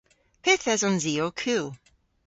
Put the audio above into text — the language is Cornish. Pyth esons i ow kul?